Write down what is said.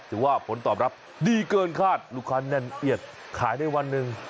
ถือว่าผลตอบรับดีเกินคาดลูกค้าแน่นเอียดขายได้วันหนึ่ง